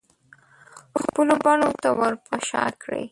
خپلو بڼو ته ورپه شا کړي